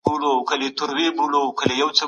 ولي د یو ګل غوړېدل په ذهن کي نوي هیلي پیدا کوي؟